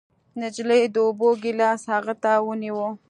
نجلۍ د اوبو ګېلاس هغه ته ونيو.